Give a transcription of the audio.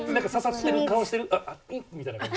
「ああうん」みたいな感じ。